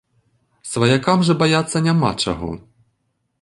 Сваякам жа баяцца няма чаго.